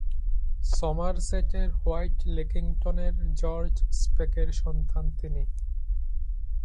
সমারসেটের হোয়াইটলেকিংটনের জর্জ স্পেকের সন্তান তিনি।